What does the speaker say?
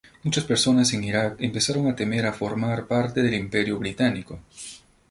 Muchas personas en Irak empezaron a temer a formar parte del Imperio Británico.